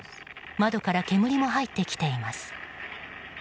窓から煙も入ってきています。